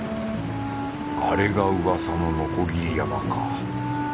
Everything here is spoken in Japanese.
あれが噂の鋸山か。